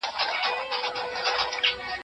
روسي مامور هغه پرېښود.